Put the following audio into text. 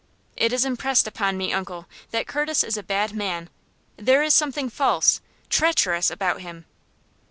"It is impressed upon me, uncle, that Curtis is a bad man. There is something false treacherous about him."